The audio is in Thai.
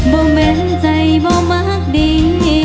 บ่เม้นใจบ่มากดี